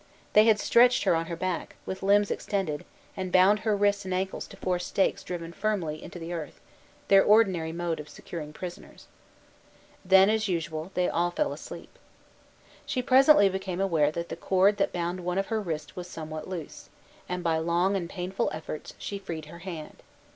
They had stretched her on her back, with limbs extended, and bound her wrists and ankles to four stakes firmly driven into the earth, their ordinary mode of securing prisoners. Then, as usual, they all fell asleep. She presently became aware that the cord that bound one of her wrists was somewhat loose, and, by long and painful efforts, she freed her hand.